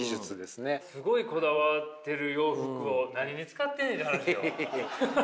すごいこだわってる洋服を何に使ってんねんって話よ。